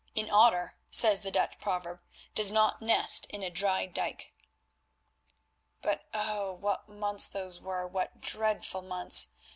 An otter, says the Dutch proverb, does not nest in a dry dyke. But oh! what months those were, what dreadful months!